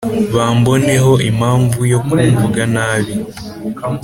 bamboneho impamvu yo kumvuga nabi